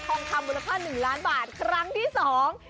ทองคำบูระพ่า๑ล้านบาทครั้งที่สอง